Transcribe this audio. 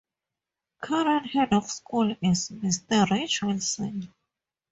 Current Head of School is Mr. Rich Wilson.